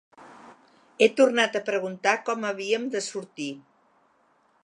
He tornat a preguntar com havíem de sortir.